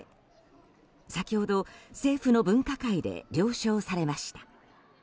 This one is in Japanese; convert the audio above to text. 先ほど、政府の分科会で了承されました。